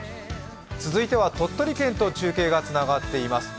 続いては、鳥取県と中継がつながっています。